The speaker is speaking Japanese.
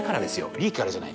利益からじゃない。